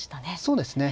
そうですね。